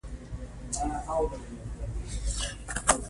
ناره یې پر زړونو ولګېده.